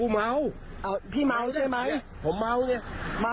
เมาใช่ไหม